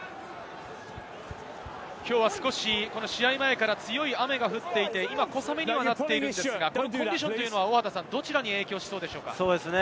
きょうは少し試合前から強い雨が降っていて、今、小雨にはなっているのですが、コンディションはどちらに影響しそうでしょうか？